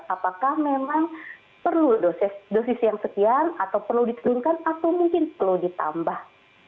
apakah memang perlu dosis yang sekian atau perlu diturunkan atau mungkin perlu ditambah